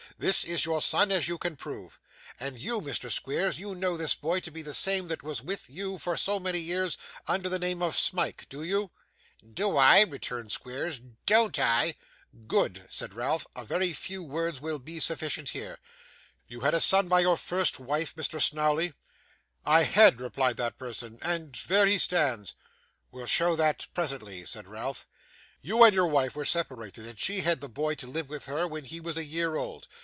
This is your son, as you can prove. And you, Mr. Squeers, you know this boy to be the same that was with you for so many years under the name of Smike. Do you?' 'Do I!' returned Squeers. 'Don't I?' 'Good,' said Ralph; 'a very few words will be sufficient here. You had a son by your first wife, Mr. Snawley?' 'I had,' replied that person, 'and there he stands.' 'We'll show that presently,' said Ralph. 'You and your wife were separated, and she had the boy to live with her, when he was a year old.